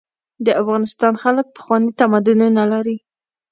د افغانستان خلک پخواني تمدنونه لري.